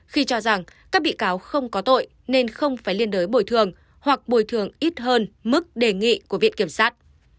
khi cho rằng các bị cáo không có tội nên không phải liên đối bồi thường hoặc bồi thường ít hơn mức đề nghị của viện kiểm sát